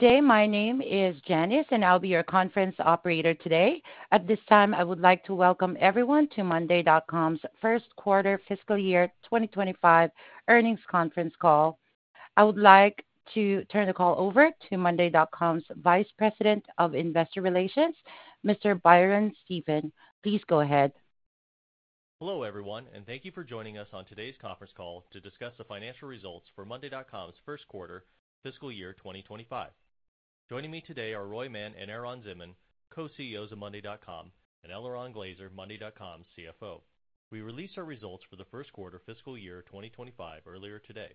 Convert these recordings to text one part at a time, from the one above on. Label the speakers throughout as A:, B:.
A: Good day. My name is Janice, and I'll be your conference operator today. At this time, I would like to welcome everyone to monday.com's first quarter fiscal year 2025 earnings conference call. I would like to turn the call over to monday.com's Vice President of Investor Relations, Mr. Byron Stephen. Please go ahead.
B: Hello everyone, and thank you for joining us on today's conference call to discuss the financial results for monday.com's first quarter fiscal year 2025. Joining me today are Roy Mann and Eran Zinman, Co-CEOs of monday.com, and Eliran Glazer, monday.com's CFO. We released our results for the first quarter fiscal year 2025 earlier today.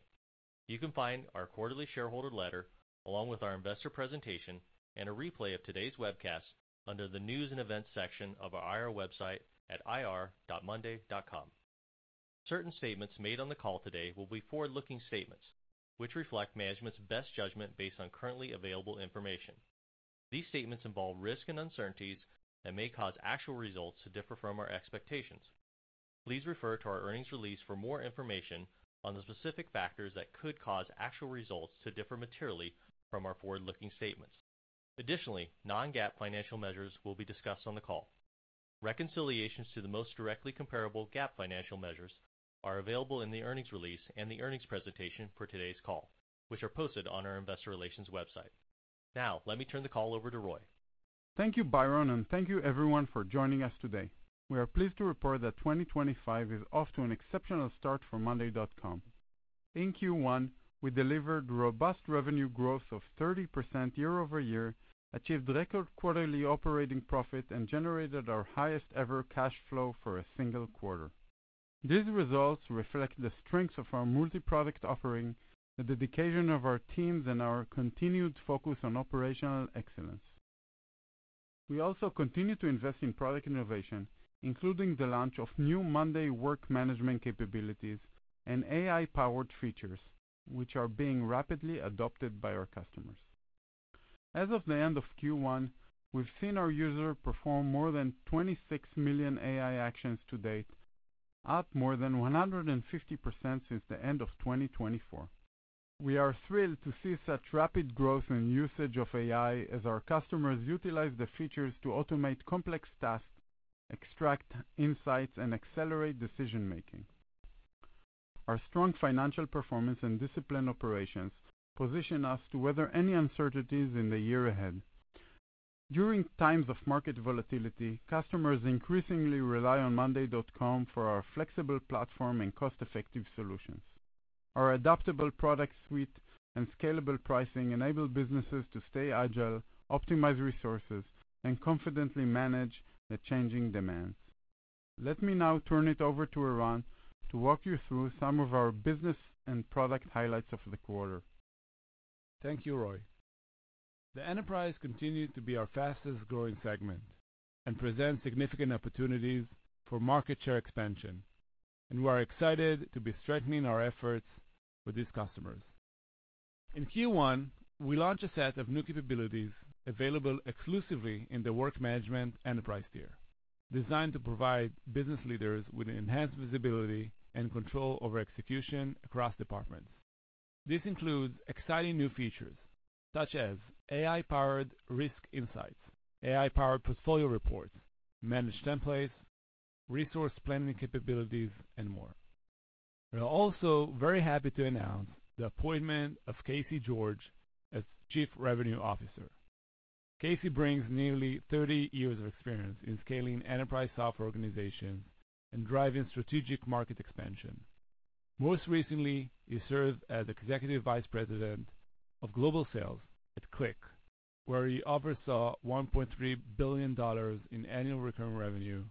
B: You can find our quarterly shareholder letter, along with our investor presentation and a replay of today's webcast under the news and events section of our IR website at irmonday.com. Certain statements made on the call today will be forward-looking statements, which reflect management's best judgment based on currently available information. These statements involve risk and uncertainties that may cause actual results to differ from our expectations. Please refer to our earnings release for more information on the specific factors that could cause actual results to differ materially from our forward-looking statements. Additionally, non-GAAP financial measures will be discussed on the call. Reconciliations to the most directly comparable GAAP financial measures are available in the earnings release and the earnings presentation for today's call, which are posted on our investor relations website. Now, let me turn the call over to Roy.
C: Thank you, Byron, and thank you everyone for joining us today. We are pleased to report that 2025 is off to an exceptional start for monday.com. In Q1, we delivered robust revenue growth of 30% year-over-year, achieved record quarterly operating profit, and generated our highest-ever cash flow for a single quarter. These results reflect the strengths of our multi-product offering, the dedication of our teams, and our continued focus on operational excellence. We also continue to invest in product innovation, including the launch of new monday work management capabilities and AI-powered features, which are being rapidly adopted by our customers. As of the end of Q1, we've seen our user perform more than 26 million AI actions to date, up more than 150% since the end of 2024. We are thrilled to see such rapid growth in usage of AI as our customers utilize the features to automate complex tasks, extract insights, and accelerate decision-making. Our strong financial performance and disciplined operations position us to weather any uncertainties in the year ahead. During times of market volatility, customers increasingly rely on monday.com for our flexible platform and cost-effective solutions. Our adaptable product suite and scalable pricing enable businesses to stay agile, optimize resources, and confidently manage the changing demands. Let me now turn it over to Eran to walk you through some of our business and product highlights of the quarter.
D: Thank you, Roy. The enterprise continues to be our fastest-growing segment and presents significant opportunities for market share expansion, and we are excited to be strengthening our efforts with these customers. In Q1, we launched a set of new capabilities available exclusively in the work management enterprise tier, designed to provide business leaders with enhanced visibility and control over execution across departments. This includes exciting new features such as AI-powered risk insights, AI-powered portfolio reports, managed templates, resource planning capabilities, and more. We are also very happy to announce the appointment of Casey George as Chief Revenue Officer. Casey brings nearly 30 years of experience in scaling enterprise software organizations and driving strategic market expansion. Most recently, he served as Executive Vice President of Global Sales at Click, where he oversaw $1.3 billion in annual recurring revenue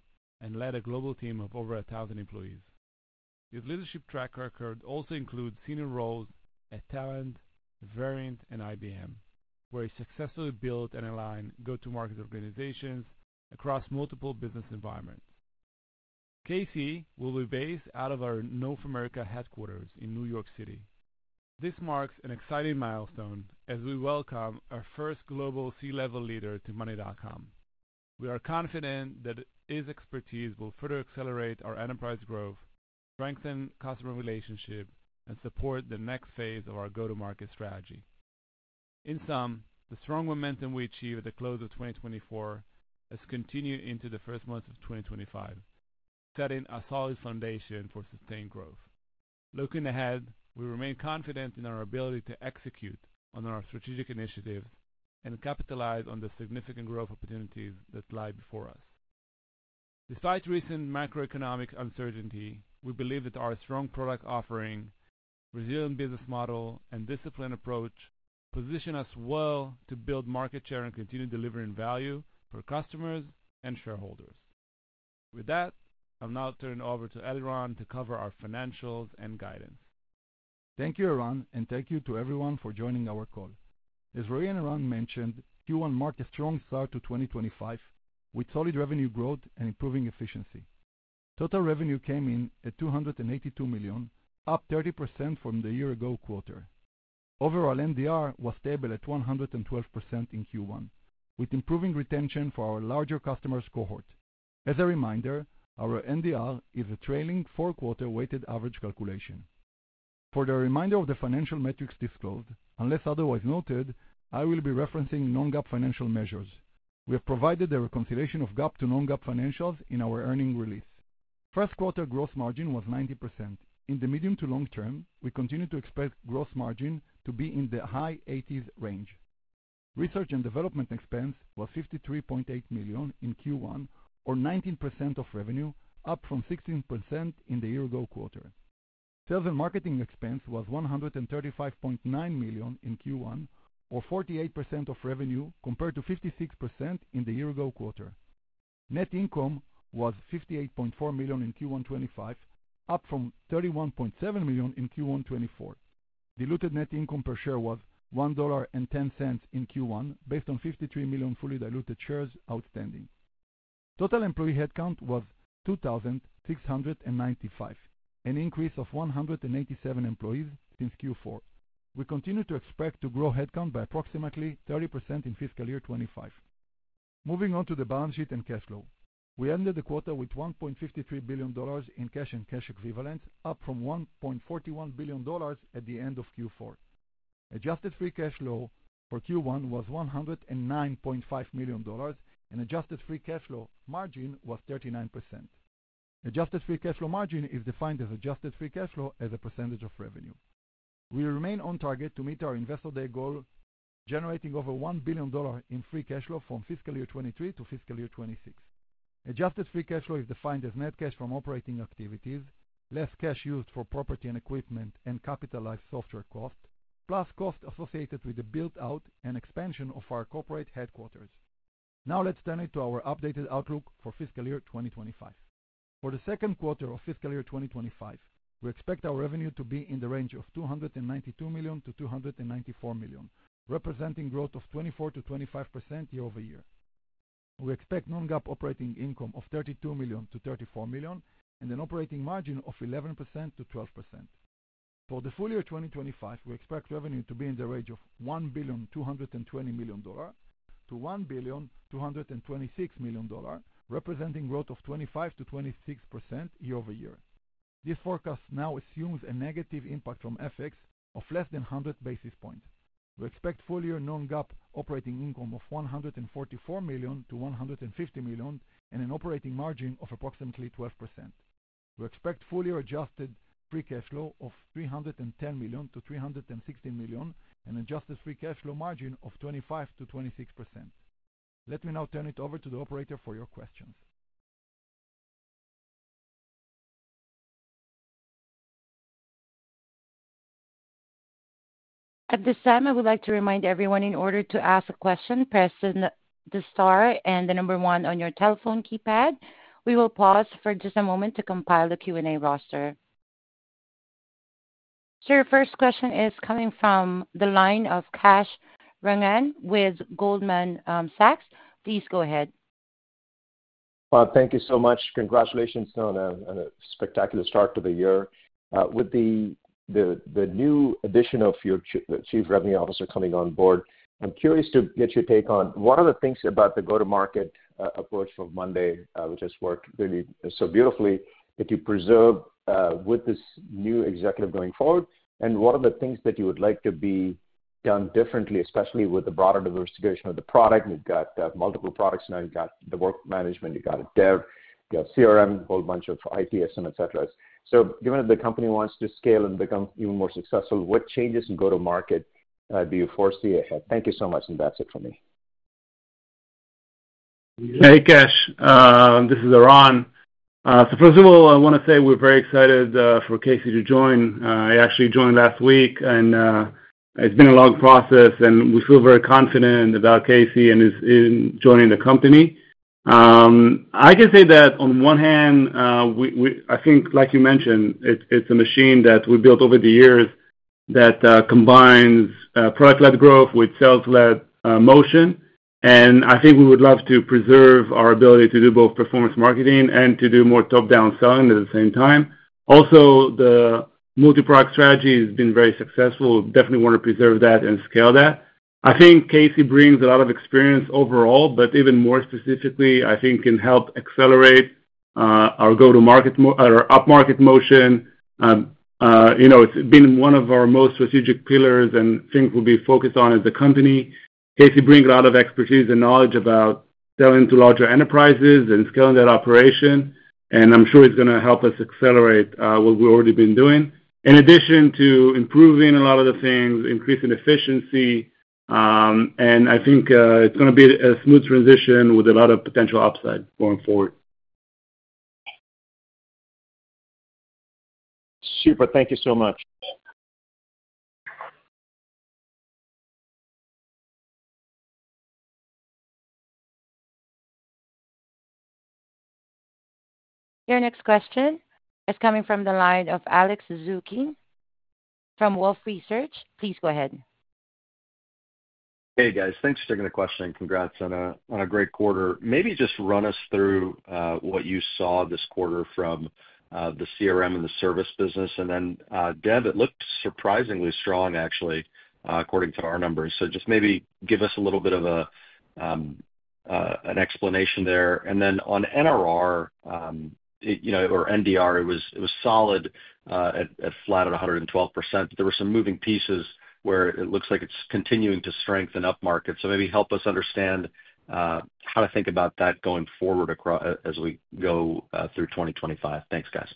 D: and led a global team of over 1,000 employees. His leadership track record also includes senior roles at Talent, Variant, and IBM, where he successfully built and aligned go-to-market organizations across multiple business environments. Casey will be based out of our North America headquarters in New York City. This marks an exciting milestone as we welcome our first global C-level leader to monday.com. We are confident that his expertise will further accelerate our enterprise growth, strengthen customer relationships, and support the next phase of our go-to-market strategy. In sum, the strong momentum we achieved at the close of 2024 has continued into the first months of 2025, setting a solid foundation for sustained growth. Looking ahead, we remain confident in our ability to execute on our strategic initiatives and capitalize on the significant growth opportunities that lie before us. Despite recent macroeconomic uncertainty, we believe that our strong product offering, resilient business model, and disciplined approach position us well to build market share and continue delivering value for customers and shareholders. With that, I'll now turn it over to Eliran to cover our financials and guidance.
E: Thank you, Eran, and thank you to everyone for joining our call. As Roy and Eran mentioned, Q1 marked a strong start to 2025 with solid revenue growth and improving efficiency. Total revenue came in at $282 million, up 30% from the year-ago quarter. Overall NDR was stable at 112% in Q1, with improving retention for our larger customers' cohort. As a reminder, our NDR is a trailing four-quarter weighted average calculation. For the reminder of the financial metrics disclosed, unless otherwise noted, I will be referencing non-GAAP financial measures. We have provided a reconciliation of GAAP to non-GAAP financials in our earnings release. First quarter gross margin was 90%. In the medium to long term, we continue to expect gross margin to be in the high 80s range. Research and development expense was $53.8 million in Q1, or 19% of revenue, up from 16% in the year-ago quarter. Sales and marketing expense was $135.9 million in Q1, or 48% of revenue, compared to 56% in the year-ago quarter. Net income was $58.4 million in Q1 2025, up from $31.7 million in Q1 2024. Diluted net income per share was $1.10 in Q1, based on 53 million fully diluted shares outstanding. Total employee headcount was 2,695, an increase of 187 employees since Q4. We continue to expect to grow headcount by approximately 30% in fiscal year 2025. Moving on to the balance sheet and cash flow. We ended the quarter with $1.53 billion in cash and cash equivalents, up from $1.41 billion at the end of Q4. Adjusted Free Cash Flow for Q1 was $109.5 million, and adjusted Free Cash Flow margin was 39%. Adjusted Free Cash Flow margin is defined as adjusted Free Cash Flow as a percentage of revenue. We remain on target to meet our Investor Day goal of generating over $1 billion in Free Cash Flow from fiscal year 2023 to fiscal year 2026. Adjusted Free Cash Flow is defined as net cash from operating activities, less cash used for property and equipment, and capitalized software cost, plus cost associated with the build-out and expansion of our corporate headquarters. Now let's turn it to our updated outlook for fiscal year 2025. For the second quarter of fiscal year 2025, we expect our revenue to be in the range of $292 million-$294 million, representing growth of 24%-25% year-over-year. We expect non-GAAP operating income of $32 million-$34 million, and an operating margin of 11%-12%. For the full year 2025, we expect revenue to be in the range of $1,220 million-$1,226 million, representing growth of 25%-26% year-over-year. This forecast now assumes a negative impact from FX of less than 100 basis points. We expect full year non-GAAP operating income of $144 million-$150 million, and an operating margin of approximately 12%. We expect full year adjusted Free Cash Flow of $310 million-$316 million, and adjusted Free Cash Flow margin of 25%-26%. Let me now turn it over to the operator for your questions.
A: At this time, I would like to remind everyone, in order to ask a question, press the star and the number one on your telephone keypad. We will pause for just a moment to compile the Q&A roster. Sir, your first question is coming from the line of Kash Rangan with Goldman Sachs. Please go ahead.
F: Thank you so much. Congratulations on a spectacular start to the year. With the new addition of your Chief Revenue Officer coming on board, I'm curious to get your take on what are the things about the go-to-market approach from monday.com, which has worked really so beautifully, that you preserve with this new executive going forward? What are the things that you would like to be done differently, especially with the broader diversification of the product? We've got multiple products now. You've got the work management. You've got a dev. You've got CRM, a whole bunch of ITSM, etc. Given that the company wants to scale and become even more successful, what changes in go-to-market do you foresee ahead? Thank you so much, and that's it for me.
D: Hey, Kash. This is Eran. First of all, I want to say we're very excited for Casey to join. He actually joined last week, and it's been a long process, and we feel very confident about Casey and his joining the company. I can say that on one hand, I think, like you mentioned, it's a machine that we built over the years that combines product-led growth with sales-led motion. I think we would love to preserve our ability to do both performance marketing and to do more top-down selling at the same time. Also, the multi-product strategy has been very successful. Definitely want to preserve that and scale that. I think Casey brings a lot of experience overall, but even more specifically, I think can help accelerate our go-to-market, our up-market motion. It's been one of our most strategic pillars and things we'll be focused on as a company. Casey brings a lot of expertise and knowledge about selling to larger enterprises and scaling that operation. I'm sure it's going to help us accelerate what we've already been doing, in addition to improving a lot of the things, increasing efficiency. I think it's going to be a smooth transition with a lot of potential upside going forward.
F: Super. Thank you so much.
A: Your next question is coming from the line of Alex Zukin from Wolfe Research. Please go ahead.
G: Hey, guys. Thanks for taking the question. Congrats on a great quarter. Maybe just run us through what you saw this quarter from the CRM and the service business. Then dev, it looked surprisingly strong, actually, according to our numbers. Just maybe give us a little bit of an explanation there. On NDR, it was solid at flat at 112%. There were some moving pieces where it looks like it's continuing to strengthen up market. Maybe help us understand how to think about that going forward as we go through 2025. Thanks, guys.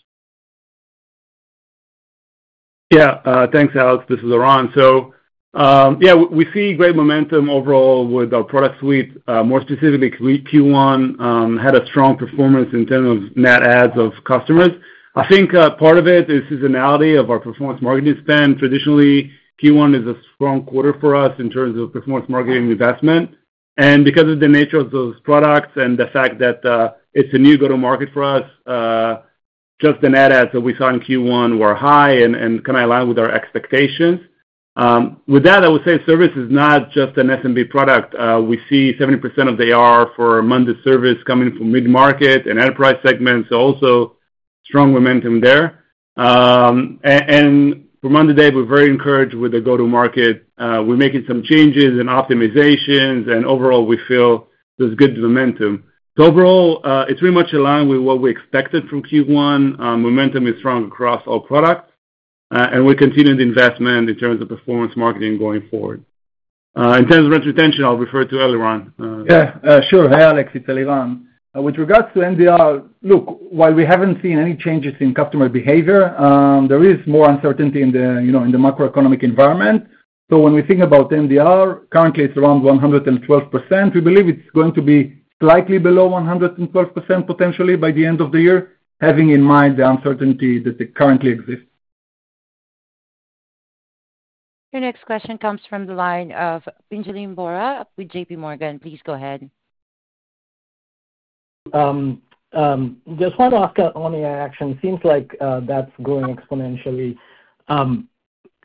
D: Yeah. Thanks, Alex. This is Eran. Yeah, we see great momentum overall with our product suite. More specifically, Q1 had a strong performance in terms of net adds of customers. I think part of it is the seasonality of our performance marketing spend. Traditionally, Q1 is a strong quarter for us in terms of performance marketing investment. Because of the nature of those products and the fact that it is a new go-to-market for us, just the net adds that we saw in Q1 were high and kind of aligned with our expectations. With that, I would say service is not just an SMB product. We see 70% of the AR for monday service coming from mid-market and enterprise segments. Also strong momentum there. For monday dev, we are very encouraged with the go-to-market. We are making some changes and optimizations, and overall, we feel there is good momentum. Overall, it's pretty much aligned with what we expected from Q1. Momentum is strong across all products, and we're continuing the investment in terms of performance marketing going forward. In terms of retention, I'll refer to Eliran.
E: Yeah. Sure. Hey, Alex. It's Eliran. With regards to NDR, look, while we haven't seen any changes in customer behavior, there is more uncertainty in the macroeconomic environment. When we think about NDR, currently, it's around 112%. We believe it's going to be slightly below 112% potentially by the end of the year, having in mind the uncertainty that currently exists.
A: Your next question comes from the line of Pinjalim Bora with JPMorgan. Please go ahead.
H: Just want to ask only a question. It seems like that's growing exponentially.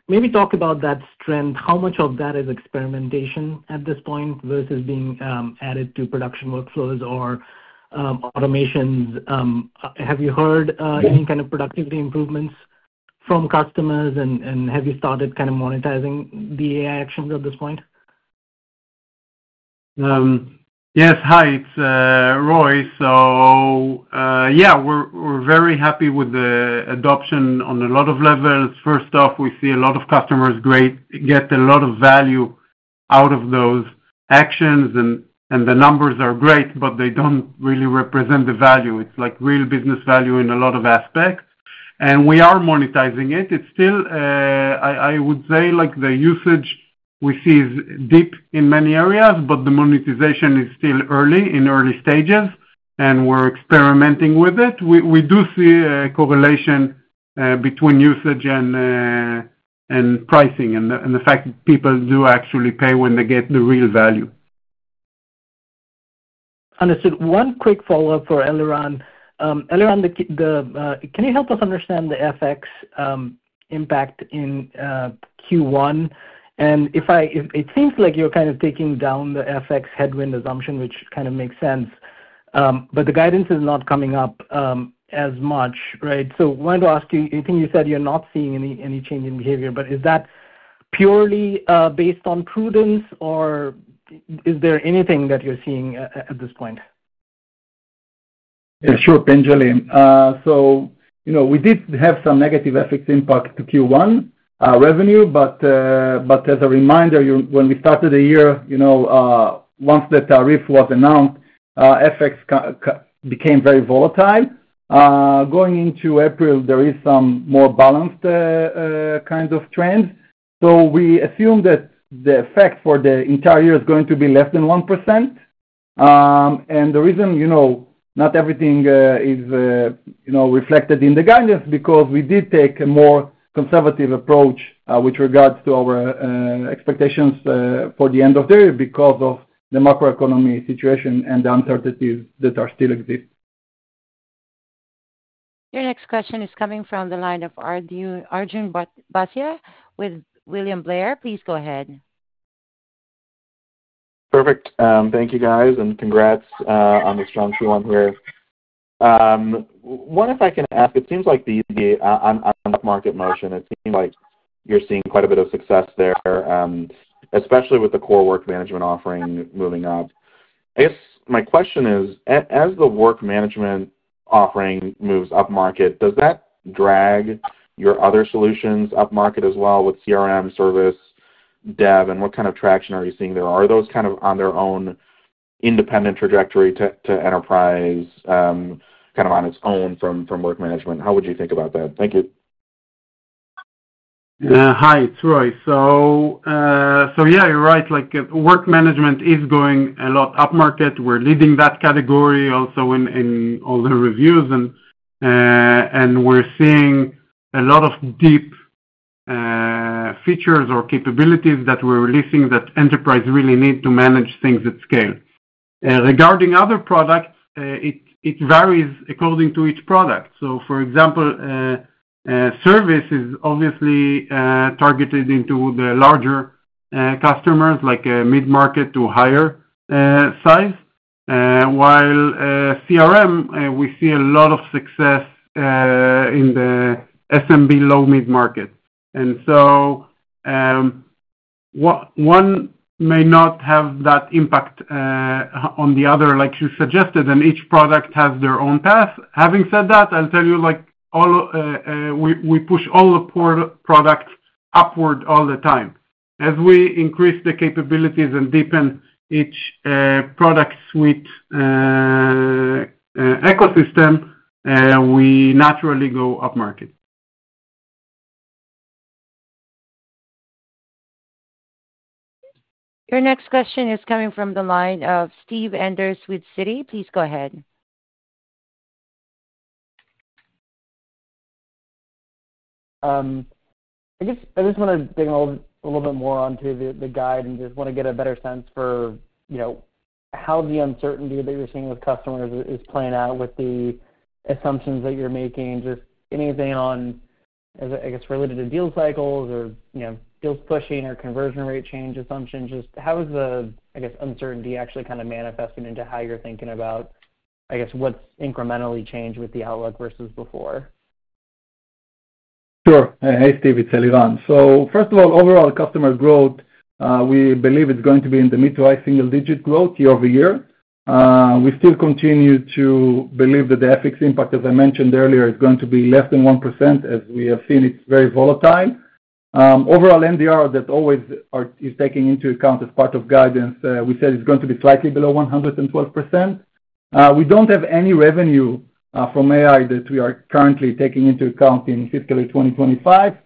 H: Maybe talk about that strength. How much of that is experimentation at this point versus being added to production workflows or automations? Have you heard any kind of productivity improvements from customers, and have you started kind of monetizing the AI actions at this point?
C: Yes. Hi, it's Roy. Yeah, we're very happy with the adoption on a lot of levels. First off, we see a lot of customers get a lot of value out of those actions, and the numbers are great, but they do not really represent the value. It is like real business value in a lot of aspects. We are monetizing it. I would say the usage we see is deep in many areas, but the monetization is still in early stages, and we're experimenting with it. We do see a correlation between usage and pricing and the fact that people do actually pay when they get the real value.
H: Understood. One quick follow-up for Eliran. Eliran, can you help us understand the FX impact in Q1? It seems like you're kind of taking down the FX headwind assumption, which kind of makes sense, but the guidance is not coming up as much, right? I wanted to ask you, I think you said you're not seeing any change in behavior, but is that purely based on prudence, or is there anything that you're seeing at this point?
E: Yeah. Sure, Pinjalim. So we did have some negative FX impact to Q1 revenue, but as a reminder, when we started the year, once the tariff was announced, FX became very volatile. Going into April, there is some more balanced kind of trend. We assume that the effect for the entire year is going to be less than 1%. The reason not everything is reflected in the guidance is because we did take a more conservative approach with regards to our expectations for the end of the year because of the macroeconomic situation and the uncertainties that still exist.
A: Your next question is coming from the line of Arjun Bhatia with William Blair. Please go ahead.
I: Perfect. Thank you, guys, and congrats on the strong Q1 here. One if I can ask, it seems like the up-market motion, it seems like you're seeing quite a bit of success there, especially with the core work management offering moving up. I guess my question is, as the work management offering moves up market, does that drag your other solutions up market as well with CRM, service, dev, and what kind of traction are you seeing there? Are those kind of on their own independent trajectory to enterprise, kind of on its own from work management? How would you think about that? Thank you.
C: Hi, it's Roy. Yeah, you're right. Work management is going a lot up market. We're leading that category also in all the reviews, and we're seeing a lot of deep features or capabilities that we're releasing that enterprise really need to manage things at scale. Regarding other products, it varies according to each product. For example, service is obviously targeted into the larger customers, like mid-market to higher size, while CRM, we see a lot of success in the SMB low-mid market. One may not have that impact on the other, like you suggested, and each product has their own path. Having said that, I'll tell you we push all the products upward all the time. As we increase the capabilities and deepen each product suite ecosystem, we naturally go up market.
A: Your next question is coming from the line of Steve Enders with Citi. Please go ahead.
J: I just want to dig in a little bit more onto the guide and just want to get a better sense for how the uncertainty that you're seeing with customers is playing out with the assumptions that you're making. Just anything on, I guess, related to deal cycles or deals pushing or conversion rate change assumptions. Just how is the, I guess, uncertainty actually kind of manifested into how you're thinking about, I guess, what's incrementally changed with the outlook versus before?
E: Sure. Hey, Steve. It's Eliran. First of all, overall customer growth, we believe it's going to be in the mid to high single-digit growth year-over-year. We still continue to believe that the FX impact, as I mentioned earlier, is going to be less than 1%, as we have seen it's very volatile. Overall, NDR that always is taken into account as part of guidance, we said it's going to be slightly below 112%. We do not have any revenue from AI that we are currently taking into account in fiscal year 2025,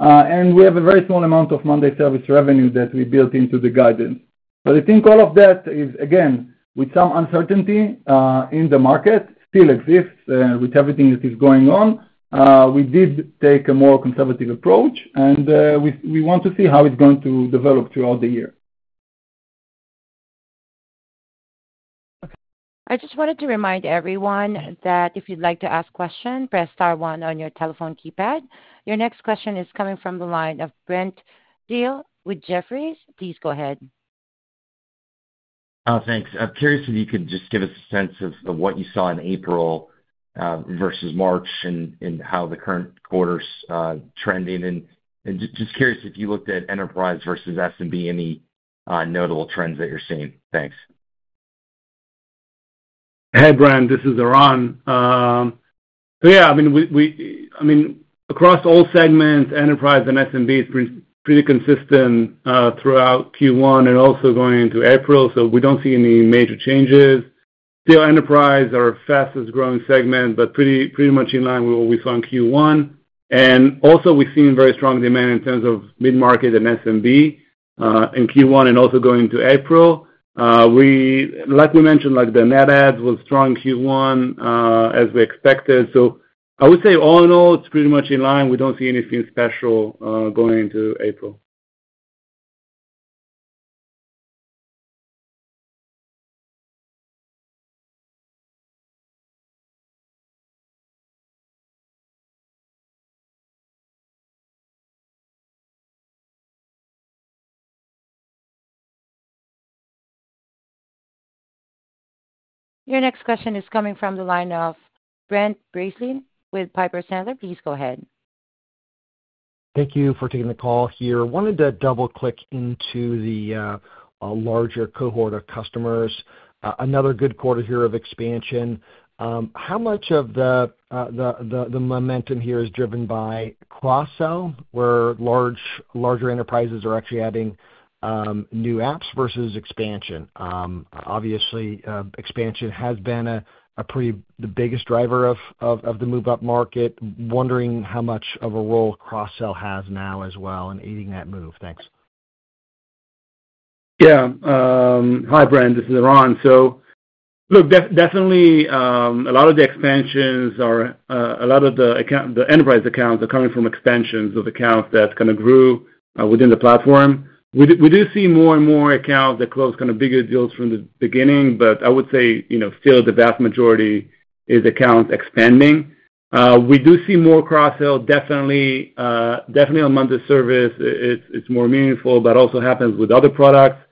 E: and we have a very small amount of monday service revenue that we built into the guidance. I think all of that is, again, with some uncertainty in the market, still exists with everything that is going on. We did take a more conservative approach, and we want to see how it's going to develop throughout the year.
A: I just wanted to remind everyone that if you'd like to ask a question, press star one on your telephone keypad. Your next question is coming from the line of Brent Thill with Jefferies. Please go ahead.
K: Thanks. I'm curious if you could just give us a sense of what you saw in April versus March and how the current quarter's trending. I'm just curious if you looked at enterprise versus SMB, any notable trends that you're seeing. Thanks.
D: Hey, Brent. This is Eran. Yeah, I mean, across all segments, enterprise and SMB is pretty consistent throughout Q1 and also going into April. We do not see any major changes. Still, enterprise are our fastest-growing segment, but pretty much in line with what we saw in Q1. We have seen very strong demand in terms of mid-market and SMB in Q1 and also going into April. Like we mentioned, the net adds were strong in Q1, as we expected. I would say all in all, it is pretty much in line. We do not see anything special going into April.
A: Your next question is coming from the line of Brent Bracelin with Piper Sandler. Please go ahead.
L: Thank you for taking the call here. Wanted to double-click into the larger cohort of customers. Another good quarter here of expansion. How much of the momentum here is driven by cross-sell, where larger enterprises are actually adding new apps versus expansion? Obviously, expansion has been the biggest driver of the move-up market. Wondering how much of a role cross-sell has now as well in aiding that move. Thanks.
D: Yeah. Hi, Brent. This is Eran. Look, definitely, a lot of the expansions or a lot of the enterprise accounts are coming from expansions of accounts that kind of grew within the platform. We do see more and more accounts that close kind of bigger deals from the beginning, but I would say still the vast majority is accounts expanding. We do see more cross-sell. Definitely, on monday service, it is more meaningful, but also happens with other products.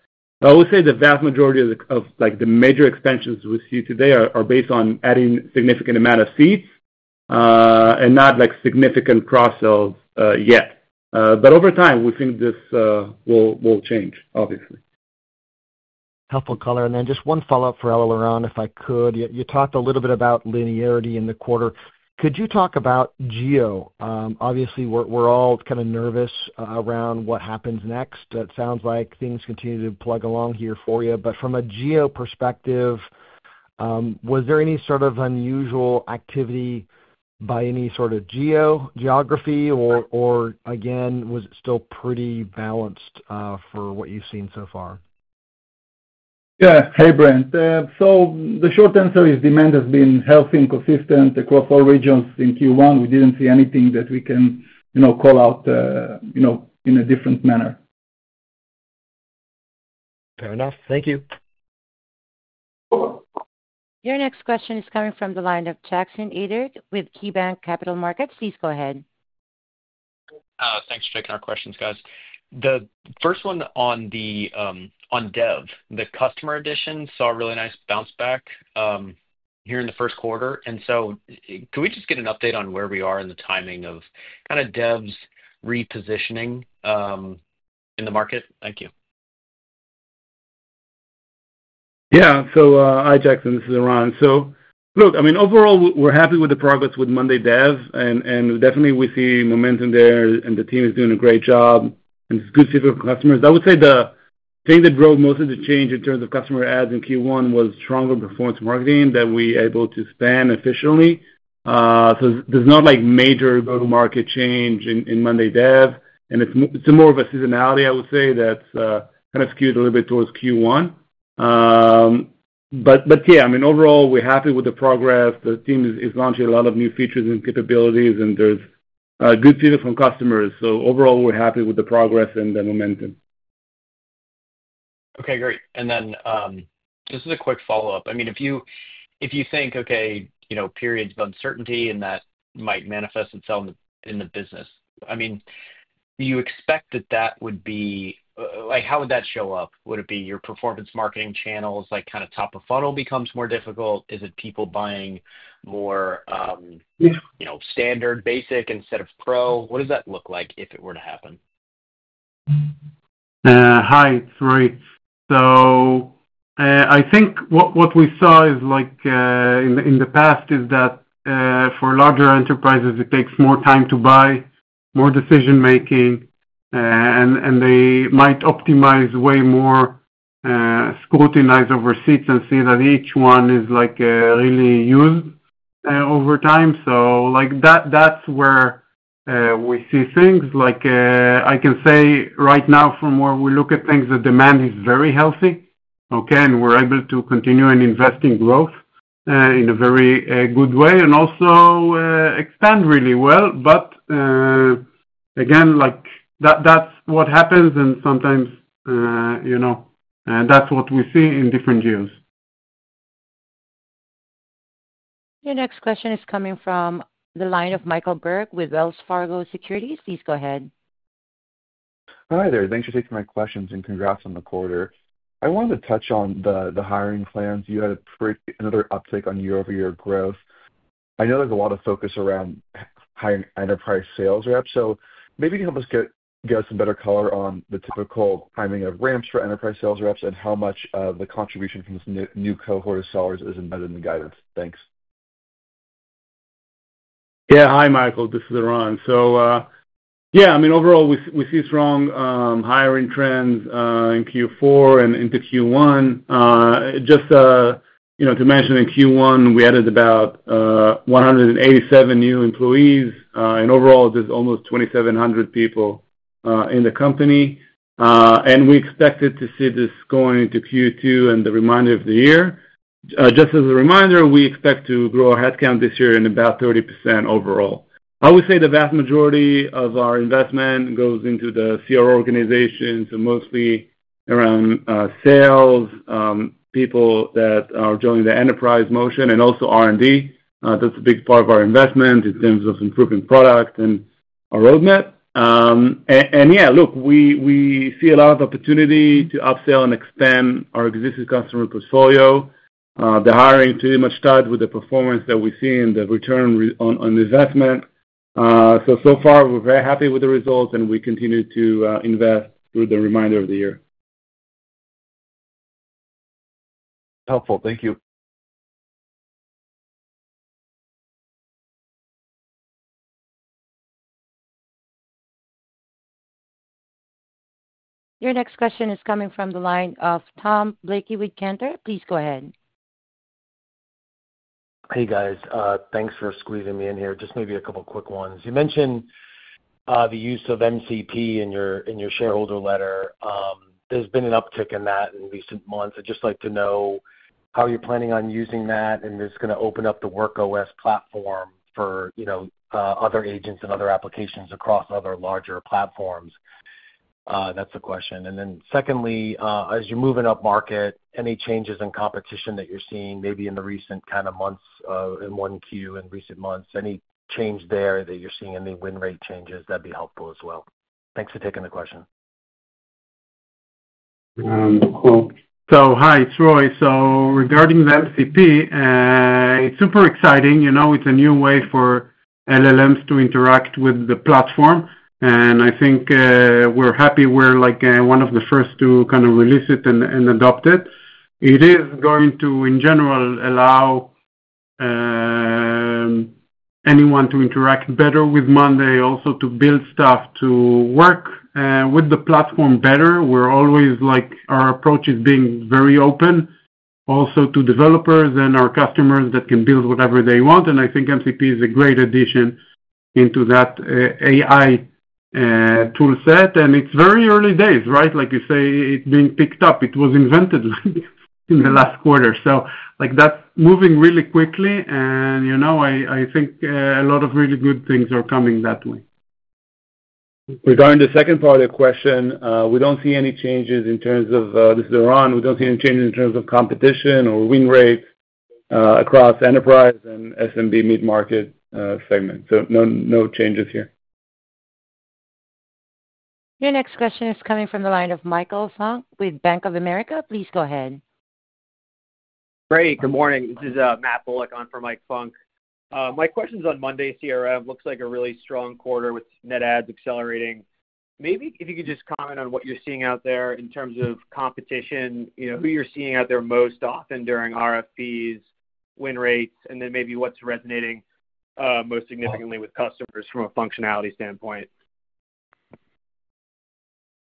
D: I would say the vast majority of the major expansions we see today are based on adding a significant amount of seats and not significant cross-sells yet. Over time, we think this will change, obviously.
L: Helpful color. And then just one follow-up for Eliran if I could. You talked a little bit about linearity in the quarter. Could you talk about geo? Obviously, we're all kind of nervous around what happens next. It sounds like things continue to plug along here for you. From a geo perspective, was there any sort of unusual activity by any sort of geography? Or again, was it still pretty balanced for what you've seen so far?
D: Yeah. Hey, Brent. The short answer is demand has been healthy and consistent across all regions in Q1. We did not see anything that we can call out in a different manner.
L: Fair enough. Thank you.
A: Your next question is coming from the line of Jackson Ader with KeyBanc Capital Markets. Please go ahead.
M: Thanks for taking our questions, guys. The first one on dev, the customer addition saw a really nice bounce back here in the first quarter. Could we just get an update on where we are in the timing of kind of dev's repositioning in the market? Thank you.
D: Yeah. Hi, Jackson. This is Eran. Look, I mean, overall, we're happy with the progress with monday dev, and definitely, we see momentum there, and the team is doing a great job, and it's good for customers. I would say the thing that drove most of the change in terms of customer adds in Q1 was stronger performance marketing that we were able to span efficiently. There's not major go-to-market change in monday dev, and it's more of a seasonality, I would say, that's kind of skewed a little bit towards Q1. Yeah, I mean, overall, we're happy with the progress. The team is launching a lot of new features and capabilities, and there's good feedback from customers. Overall, we're happy with the progress and the momentum.
M: Okay. Great. And then just as a quick follow-up, I mean, if you think, okay, periods of uncertainty and that might manifest itself in the business, I mean, do you expect that that would be, how would that show up? Would it be your performance marketing channels, kind of top of funnel becomes more difficult? Is it people buying more standard basic instead of pro? What does that look like if it were to happen?
C: Hi, it's Roy. I think what we saw in the past is that for larger enterprises, it takes more time to buy, more decision-making, and they might optimize way more, scrutinize overseas, and see that each one is really used over time. That is where we see things. I can say right now, from where we look at things, the demand is very healthy, okay, and we're able to continue and invest in growth in a very good way and also expand really well. Again, that is what happens, and sometimes that is what we see in different geos.
A: Your next question is coming from the line of Michael Berg with Wells Fargo Securities. Please go ahead.
N: Hi there. Thanks for taking my questions and congrats on the quarter. I wanted to touch on the hiring plans. You had another uptick on year-over-year growth. I know there's a lot of focus around hiring enterprise sales reps. Maybe you can help us get us some better color on the typical timing of ramps for enterprise sales reps and how much of the contribution from this new cohort of sellers is embedded in the guidance. Thanks.
D: Yeah. Hi, Michael. This is Eran. Yeah, I mean, overall, we see strong hiring trends in Q4 and into Q1. Just to mention, in Q1, we added about 187 new employees, and overall, there are almost 2,700 people in the company. We expect to see this going into Q2 and the remainder of the year. Just as a reminder, we expect to grow our headcount this year by about 30% overall. I would say the vast majority of our investment goes into the CR organization, so mostly around sales, people that are joining the enterprise motion, and also R&D. That is a big part of our investment in terms of improving product and our roadmap. Yeah, look, we see a lot of opportunity to upsell and expand our existing customer portfolio. The hiring pretty much started with the performance that we see and the return on investment. So far, we're very happy with the results, and we continue to invest through the remainder of the year.
N: Helpful. Thank you.
A: Your next question is coming from the line of Tom Blakey with Cantor. Please go ahead.
O: Hey, guys. Thanks for squeezing me in here. Just maybe a couple of quick ones. You mentioned the use of MCP in your shareholder letter. There's been an uptick in that in recent months. I'd just like to know how you're planning on using that, and if it's going to open up the Work OS platform for other agents and other applications across other larger platforms. That's the question. Then secondly, as you're moving up market, any changes in competition that you're seeing, maybe in the recent kind of months in Q1, in recent months, any change there that you're seeing, any win rate changes, that'd be helpful as well. Thanks for taking the question.
C: Cool. Hi, it's Roy. Regarding the MCP, it's super exciting. It's a new way for LLMs to interact with the platform, and I think we're happy we're one of the first to kind of release it and adopt it. It is going to, in general, allow anyone to interact better with Monday, also to build stuff to work with the platform better. Our approach is being very open also to developers and our customers that can build whatever they want. I think MCP is a great addition into that AI toolset. It's very early days, right? Like you say, it's being picked up. It was invented in the last quarter. That's moving really quickly, and I think a lot of really good things are coming that way.
D: Regarding the second part of the question, we don't see any changes in terms of—this is Eran—we don't see any changes in terms of competition or win rates across enterprise and SMB mid-market segment. No changes here.
A: Your next question is coming from the line of Michael Funk with Bank of America. Please go ahead.
P: Great. Good morning. This is Matt Bullock on for Mike Funk. My question's on monday CRM. Looks like a really strong quarter with net adds accelerating. Maybe if you could just comment on what you're seeing out there in terms of competition, who you're seeing out there most often during RFPs, win rates, and then maybe what's resonating most significantly with customers from a functionality standpoint.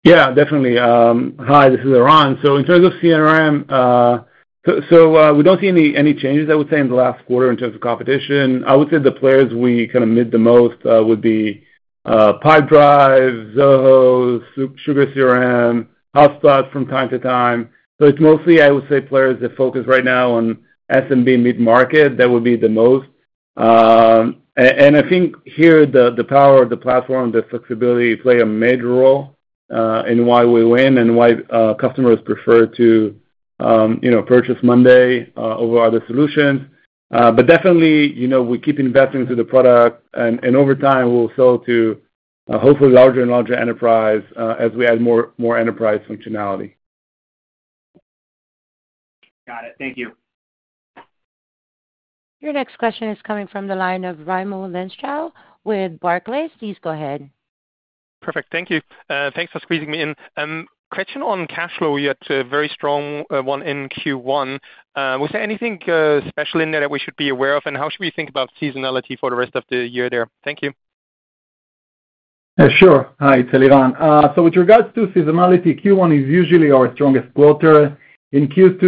D: Yeah, definitely. Hi, this is Eran. In terms of CRM, we do not see any changes, I would say, in the last quarter in terms of competition. I would say the players we kind of meet the most would be Pipedrive, Zoho, SugarCRM, HubSpot from time to time. It is mostly, I would say, players that focus right now on SMB mid-market. That would be the most. I think here the power of the platform, the flexibility play a major role in why we win and why customers prefer to purchase Monday over other solutions. We definitely keep investing into the product, and over time, we will sell to hopefully larger and larger enterprise as we add more enterprise functionality.
P: Got it. Thank you.
A: Your next question is coming from the line of Raimo Lenschow with Barclays. Please go ahead.
Q: Perfect. Thank you. Thanks for squeezing me in. Question on cash flow. You had a very strong one in Q1. Was there anything special in there that we should be aware of, and how should we think about seasonality for the rest of the year there? Thank you.
E: Sure. Hi, it's Eliran. With regards to seasonality, Q1 is usually our strongest quarter. In Q2,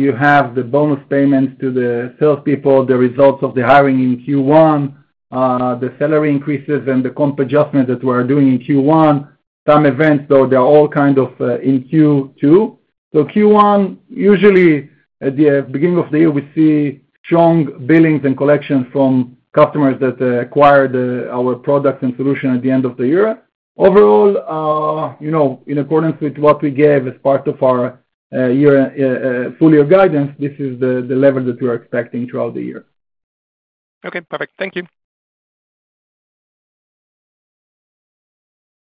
E: you have the bonus payments to the salespeople, the results of the hiring in Q1, the salary increases, and the comp adjustment that we're doing in Q1. Some events, though, they're all kind of in Q2. Q1, usually at the beginning of the year, we see strong billings and collections from customers that acquired our products and solutions at the end of the year. Overall, in accordance with what we gave as part of our full-year guidance, this is the level that we're expecting throughout the year.
Q: Okay. Perfect. Thank you.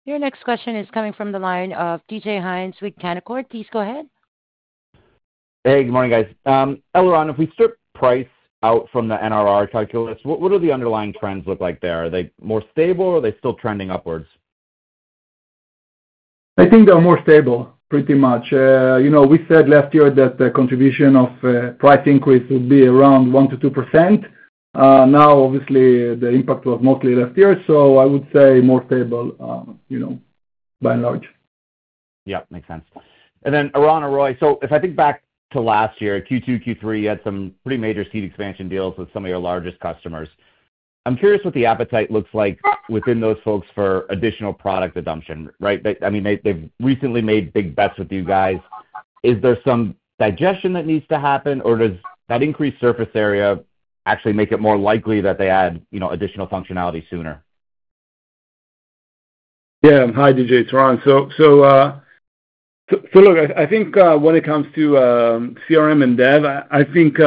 A: Your next question is coming from the line of DJ Hynes with Canaccord. Please go ahead.
R: Hey, good morning, guys. Eliran, if we strip price out from the NRR calculus, what do the underlying trends look like there? Are they more stable, or are they still trending upwards?
E: I think they're more stable, pretty much. We said last year that the contribution of price increase would be around 1-2%. Now, obviously, the impact was mostly last year, so I would say more stable by and large.
R: Yep. Makes sense. Eran or Roy, if I think back to last year, Q2, Q3, you had some pretty major seat expansion deals with some of your largest customers. I'm curious what the appetite looks like within those folks for additional product adoption, right? I mean, they've recently made big bets with you guys. Is there some digestion that needs to happen, or does that increased surface area actually make it more likely that they add additional functionality sooner?
D: Yeah. Hi, DJ, it's Eran. Look, I think when it comes to CRM and dev, I think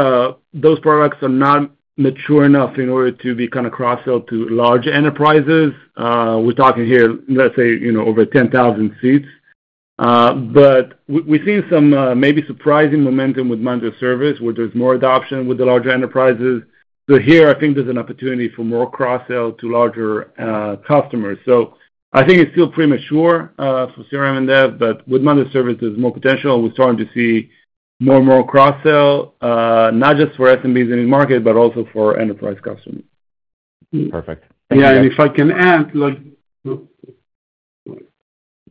D: those products are not mature enough in order to be kind of cross-sell to large enterprises. We're talking here, let's say, over 10,000 seats. We've seen some maybe surprising momentum with monday service, where there's more adoption with the larger enterprises. Here, I think there's an opportunity for more cross-sell to larger customers. I think it's still premature for CRM and dev, but with monday service, there's more potential. We're starting to see more and more cross-sell, not just for SMBs in mid-market, but also for enterprise customers.
R: Perfect.
C: Yeah. If I can add.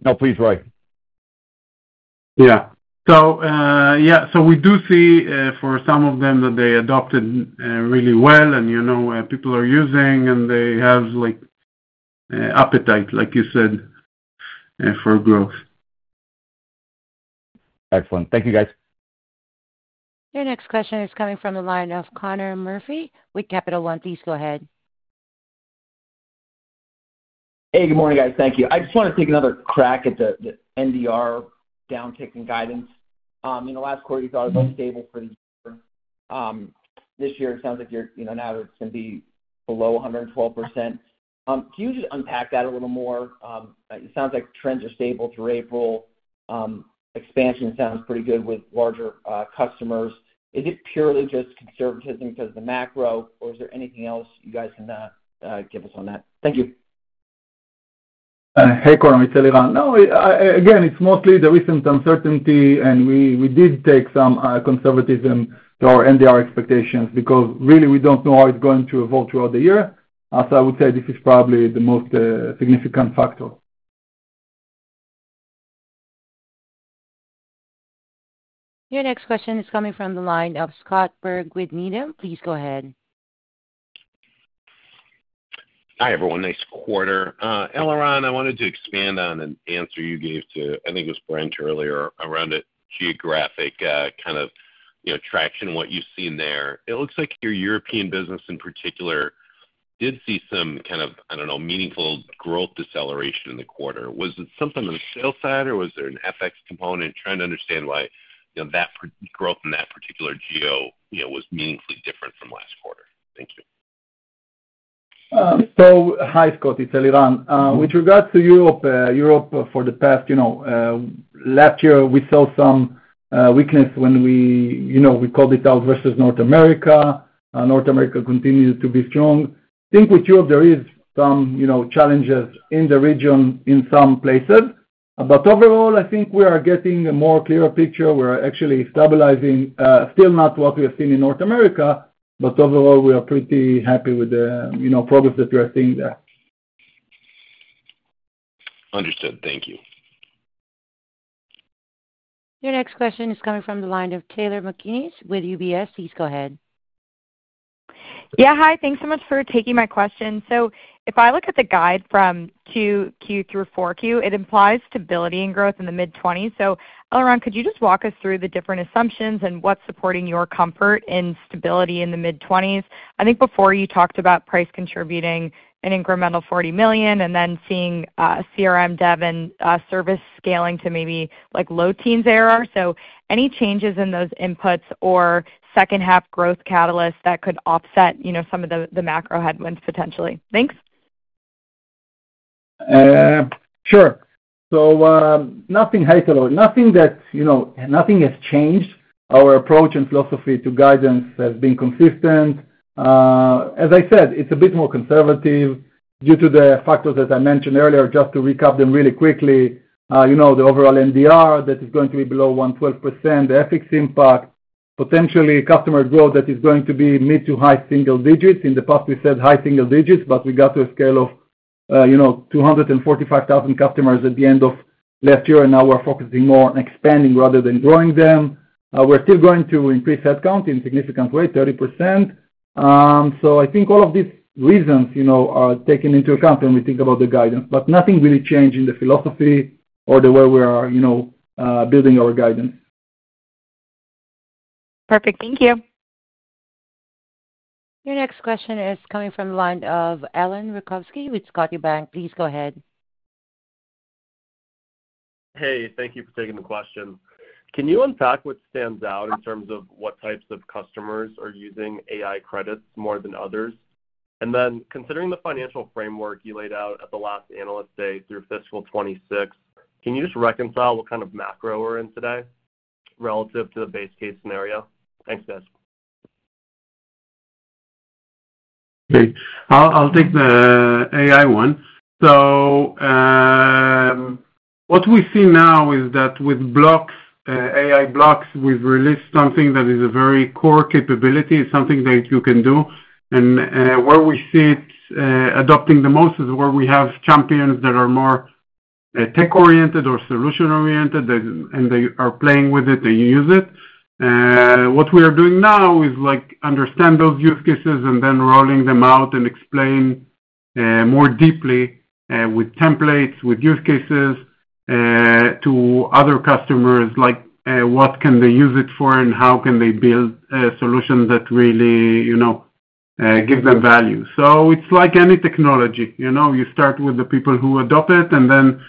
D: No, please, Roy.
C: Yeah, so we do see for some of them that they adopted really well, and people are using, and they have appetite, like you said, for growth.
R: Excellent. Thank you, guys.
A: Your next question is coming from the line of Conner Murphy with Capital One. Please go ahead.
S: Hey, good morning, guys. Thank you. I just want to take another crack at the NDR downtick in guidance. In the last quarter, you thought it was stable for the year. This year, it sounds like now it's going to be below 112%. Can you just unpack that a little more? It sounds like trends are stable through April. Expansion sounds pretty good with larger customers. Is it purely just conservatism because of the macro, or is there anything else you guys can give us on that? Thank you.
E: Hey, Conner, it's Eliran. No, again, it's mostly the recent uncertainty, and we did take some conservatism to our NDR expectations because really, we do not know how it's going to evolve throughout the year. I would say this is probably the most significant factor.
A: Your next question is coming from the line of Scott Berg with Needham. Please go ahead.
T: Hi, everyone. Nice quarter. Eliran, I wanted to expand on an answer you gave to—I think it was Brent earlier—around a geographic kind of traction, what you've seen there. It looks like your European business, in particular, did see some kind of, I don't know, meaningful growth deceleration in the quarter. Was it something on the sales side, or was there an FX component? Trying to understand why that growth in that particular geo was meaningfully different from last quarter. Thank you.
E: Hi, Scott. It's Eliran. With regards to Europe, Europe for the past last year, we saw some weakness when we called it out versus North America. North America continued to be strong. I think with Europe, there are some challenges in the region in some places. Overall, I think we are getting a more clear picture. We're actually stabilizing. Still not what we have seen in North America, but overall, we are pretty happy with the progress that we are seeing there.
T: Understood. Thank you.
A: Your next question is coming from the line of Taylor McGinnis with UBS. Please go ahead.
U: Yeah. Hi. Thanks so much for taking my question. If I look at the guide from Q2, Q3, Q4, it implies stability and growth in the mid-20s. Eliran, could you just walk us through the different assumptions and what is supporting your comfort in stability in the mid-20s? I think before you talked about price contributing an incremental $40 million and then seeing CRM, dev, and service scaling to maybe low teens ARR. Any changes in those inputs or second-half growth catalysts that could offset some of the macro headwinds potentially? Thanks.
E: Sure. Nothing hyperbole. Nothing has changed. Our approach and philosophy to guidance has been consistent. As I said, it is a bit more conservative due to the factors that I mentioned earlier. Just to recap them really quickly, the overall NDR that is going to be below 112%, the FX impact, potentially customer growth that is going to be mid to high single digits. In the past, we said high single digits, but we got to a scale of 245,000 customers at the end of last year, and now we are focusing more on expanding rather than growing them. We are still going to increase headcount in significant way, 30%. I think all of these reasons are taken into account when we think about the guidance, but nothing really changed in the philosophy or the way we are building our guidance.
U: Perfect. Thank you.
A: Your next question is coming from the line of Ellen Rokovsky with Scotiabank. Please go ahead.
V: Hey, thank you for taking the question. Can you unpack what stands out in terms of what types of customers are using AI credits more than others? Then considering the financial framework you laid out at the last analyst day through fiscal 2026, can you just reconcile what kind of macro we're in today relative to the base case scenario? Thanks, guys.
C: Okay. I'll take the AI one. What we see now is that with AI blocks, we've released something that is a very core capability. It's something that you can do. Where we see it adopting the most is where we have champions that are more tech-oriented or solution-oriented, and they are playing with it. They use it. What we are doing now is understand those use cases and then rolling them out and explain more deeply with templates, with use cases to other customers, like what can they use it for and how can they build a solution that really gives them value. It's like any technology. You start with the people who adopt it, and then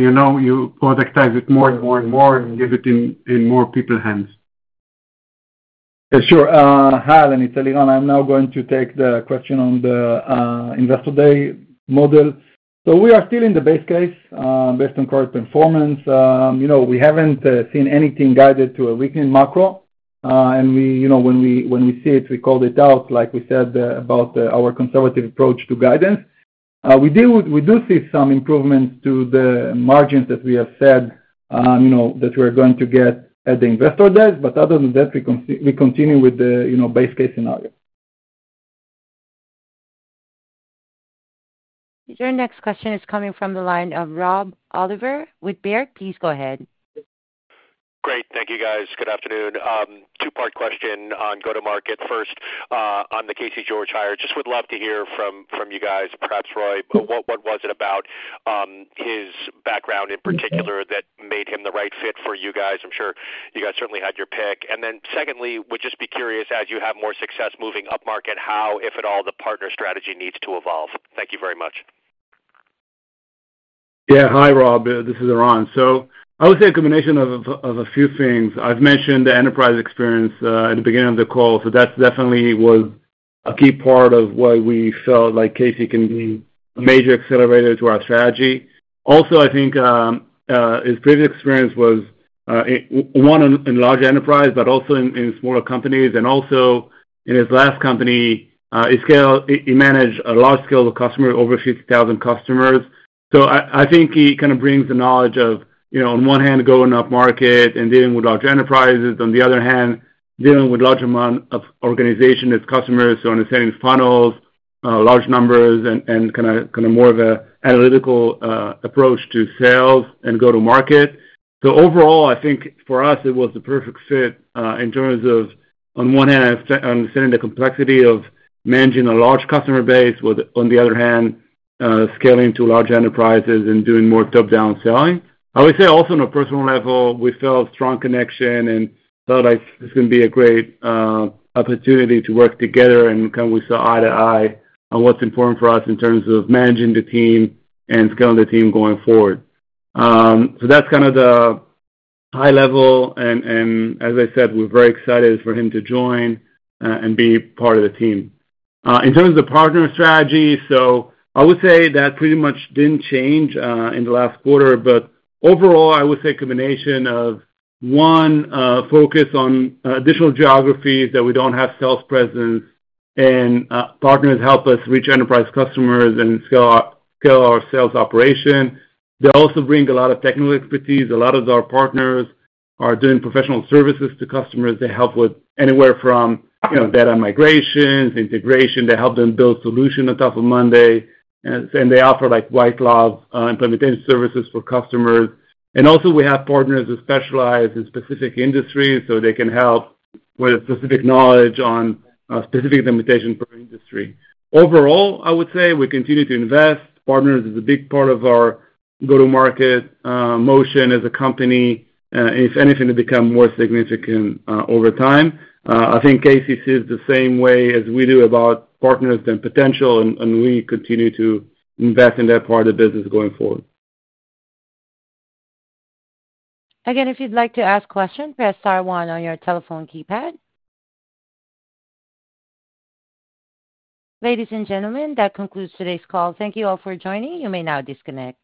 C: you productize it more and more and more and give it in more people's hands.
E: Sure. Hi Ellen. It's Eliran. I'm now going to take the question on the investor day model. We are still in the base case based on current performance. We haven't seen anything guided to a weakened macro. When we see it, we call it out, like we said about our conservative approach to guidance. We do see some improvements to the margins that we have said that we are going to get at the investor days. Other than that, we continue with the base case scenario.
A: Your next question is coming from the line of Rob Oliver with Baird. Please go ahead.
W: Great. Thank you, guys. Good afternoon. Two-part question on go-to-market. First, on the Casey George hire, just would love to hear from you guys, perhaps Roy, what was it about his background in particular that made him the right fit for you guys? I'm sure you guys certainly had your pick. Then secondly, would just be curious, as you have more success moving upmarket, how, if at all, the partner strategy needs to evolve? Thank you very much.
D: Yeah. Hi, Rob. This is Eran. I would say a combination of a few things. I've mentioned the enterprise experience at the beginning of the call, so that definitely was a key part of why we felt like Casey can be a major accelerator to our strategy. Also, I think his previous experience was one in large enterprise, but also in smaller companies. In his last company, he managed a large scale of customers, over 50,000 customers. I think he kind of brings the knowledge of, on one hand, going upmarket and dealing with large enterprises. On the other hand, dealing with a large amount of organization as customers, so understanding funnels, large numbers, and kind of more of an analytical approach to sales and go-to-market. Overall, I think for us, it was the perfect fit in terms of, on one hand, understanding the complexity of managing a large customer base, but on the other hand, scaling to large enterprises and doing more top-down selling. I would say also on a personal level, we felt strong connection and felt like this can be a great opportunity to work together, and kind of we saw eye to eye on what's important for us in terms of managing the team and scaling the team going forward. That is kind of the high level. As I said, we're very excited for him to join and be part of the team. In terms of the partner strategy, I would say that pretty much did not change in the last quarter, but overall, I would say a combination of, one, focus on additional geographies that we do not have sales presence, and partners help us reach enterprise customers and scale our sales operation. They also bring a lot of technical expertise. A lot of our partners are doing professional services to customers. They help with anywhere from data migrations, integration. They help them build solutions on top of monday.com. They offer white-glove implementation services for customers. We have partners who specialize in specific industries, so they can help with specific knowledge on specific implementation for industry. Overall, I would say we continue to invest. Partners is a big part of our go-to-market motion as a company, if anything, to become more significant over time. I think Casey sees the same way as we do about partners and potential, and we continue to invest in that part of the business going forward.
A: Again, if you'd like to ask questions, press star one on your telephone keypad. Ladies and gentlemen, that concludes today's call. Thank you all for joining. You may now disconnect.